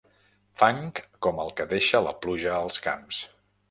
Fang com el que deixa la pluja als camps.